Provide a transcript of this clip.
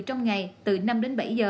trong ngày từ năm bảy h